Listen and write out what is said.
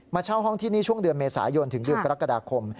เช่าห้องที่นี่ช่วงเดือนเมษายนถึงเดือนกรกฎาคม